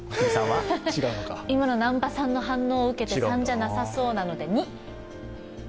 今の南波さんの反応を受けて３じゃなさそうなので、２。